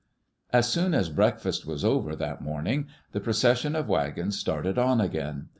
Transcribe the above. As soon as breakfast was over that morning, the pro cession of wagons started on again.